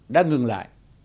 đã ngừng lại